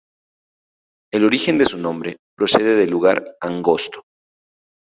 El origen de su nombre procede de lugar angosto.